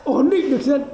ổn định được dân